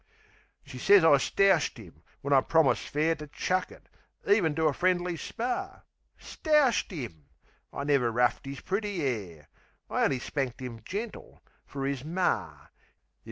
She sez I stoushed 'im, when I promised fair To chuck it, even to a friendly spar. Stoushed 'im! I never roughed 'is pretty 'air! I only spanked 'im gentle, fer 'is mar.